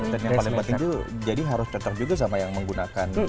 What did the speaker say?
dan yang paling penting itu jadi harus tetap juga sama yang menggunakan